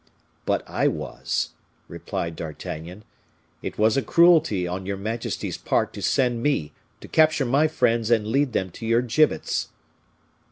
"But I was," replied D'Artagnan. "It was a cruelty on your majesty's part to send me to capture my friends and lead them to your gibbets."